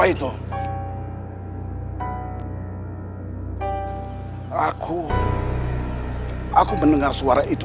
tidak ada yang berkata amazing